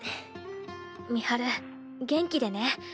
美晴元気でね。